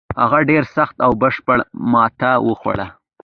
هغه ډېره سخته او بشپړه ماته وخوړه.